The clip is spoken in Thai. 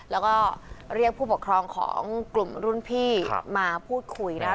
แล้วก็เรียกผู้ปกครองของกลุ่มรุ่นพี่มาพูดคุยนะคะ